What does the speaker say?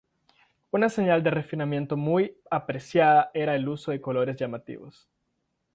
Una señal de refinamiento muy apreciada era el uso de colores llamativos.